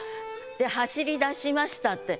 で走り出しましたって。